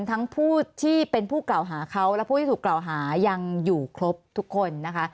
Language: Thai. ทั้งผู้ที่เป็นผู้กล่าวหาเขาและผู้ที่ถูกกล่าวหายังอยู่ครบทุกคนนะคะ